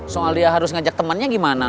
soalnya harus ngajak temennya gimana